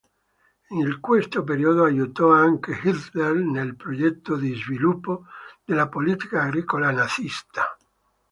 In questo periodo aiutò anche Hitler nel progetto di sviluppo della politica agricola nazista.